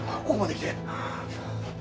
ここまで来て。